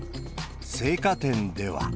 青果店では。